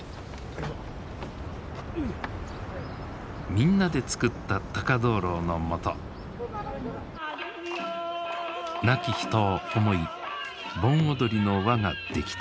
みんなで作った高灯籠のもと亡き人を思い盆踊りの輪が出来た。